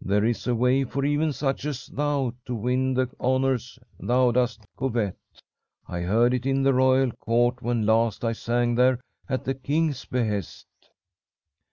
There is a way for even such as thou to win the honours thou dost covet. I heard it in the royal court when last I sang there at the king's behest.'